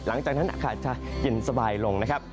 หลังจากนั้นอากาศจะเย็นสบายลงนะครับ